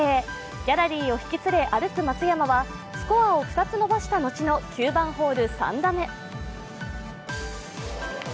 ギャラリーを引き連れ歩く松山はスコアを２つ伸ばした後の９番ホール、３打目。